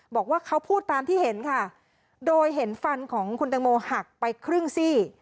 บอกว่าเขาพูดตามที่เห็นค่ะโดยเห็นฟันของคุณตังโมหักไปครึ่งซี่